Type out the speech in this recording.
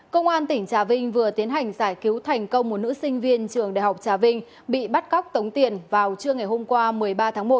công an tỉnh trà vinh vừa tiến hành giải cứu thành công một nữ sinh viên trường đại học trà vinh bị bắt cóc tống tiền vào trưa ngày hôm qua một mươi ba tháng một